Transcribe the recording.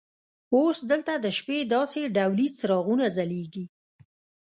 اوس دلته د شپې داسې ډولي څراغونه ځلیږي.